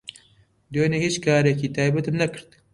دوێنێ هیچ کارێکی تایبەتم نەکرد.